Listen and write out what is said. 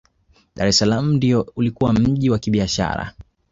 dr es salaam ndiyo ulikuwa mji wa kibiashara